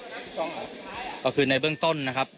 จากเอ่อมาถึงเหตุมาถึงที่เกษตรไหนค่ะก็คือในเบื้องต้นนะครับ